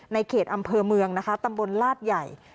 ในเขตอำเภอเมืองนะคะตำบลลาดใหญ่